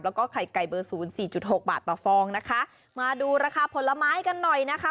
แล้วก็ไข่ไก่เบอร์ศูนย์สี่จุดหกบาทต่อฟองนะคะมาดูราคาผลไม้กันหน่อยนะคะ